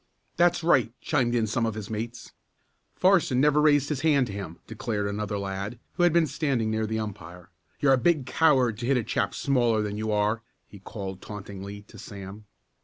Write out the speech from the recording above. "That's right!" chimed in some of his mates. "Farson never raised his hand to him!" declared another lad, who had been standing near the umpire. "You're a big coward to hit a chap smaller than you are!" he called tauntingly to Sam.